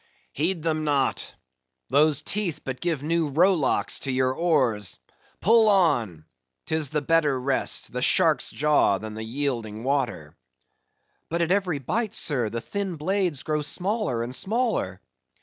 "Heed them not! those teeth but give new rowlocks to your oars. Pull on! 'tis the better rest, the shark's jaw than the yielding water." "But at every bite, sir, the thin blades grow smaller and smaller!"